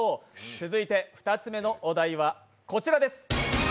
続いて２つ目のお題はこちらです。